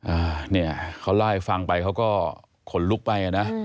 อ่าเนี่ยเขาเล่าให้ฟังไปเขาก็ขนลุกไปอ่ะนะ